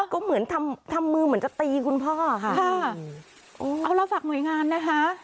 ก็เหมือนทำทำมือเหมือนจะตีคุณพ่อค่ะโอ้เอาเราฝากหน่วยงานนะคะ